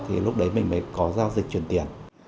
thì lúc đấy mình mới có giao dịch chuyển tiền